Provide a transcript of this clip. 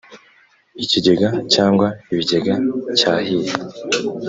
ikigega cyangwa ibigega cyahiye